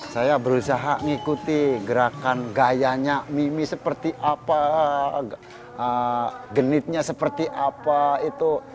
saya berusaha mengikuti gerakan gayanya mimi seperti apa genitnya seperti apa itu